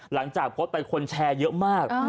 หลังจากโพสต์ไปคนแชร์เยอะมาก